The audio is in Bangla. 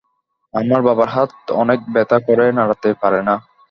আমার বাবার হাত অনেক ব্যথা করে নাড়াতেই পারে না।